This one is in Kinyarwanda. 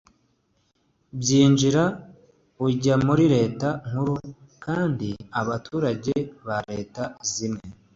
byinjira ujya muri Leta nkuru kandi abaturage ba leta zimwe